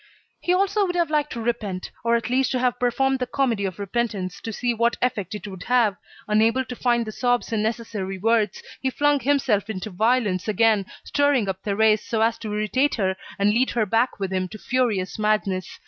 He also would have liked to repent, or at least to have performed the comedy of repentance, to see what effect it would have. Unable to find the sobs and necessary words, he flung himself into violence again, stirring up Thérèse so as to irritate her and lead her back with him to furious madness.